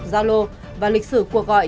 zalo và lịch sử cuộc gọi